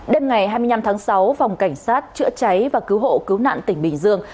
đêm ngày hai mươi năm tháng sáu phòng cảnh sát chữa cháy và cứu hộ cứu nạn tỉnh bình dương